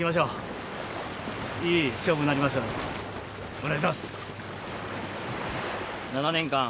お願いします。